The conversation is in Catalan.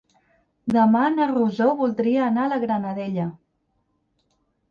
Demà na Rosó voldria anar a la Granadella.